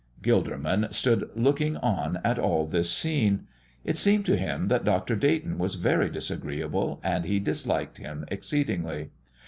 Gilderman stood looking on at all this scene. It seemed to him that Dr. Dayton was very disagreeable, and he disliked him exceedingly.